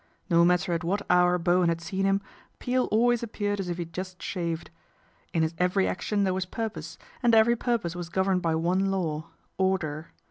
No matter at what hour Bowen had seen him, Peel always appeared as if he had just shaved. In his every action there was purpose, and every purpose was governed by one law order.